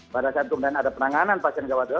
pada saat kemudian ada penanganan pasien jawab doa